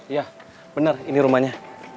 ya benar ini rumahnya